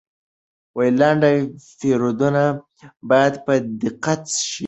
لنډه پیرودنه باید په دقت وشي.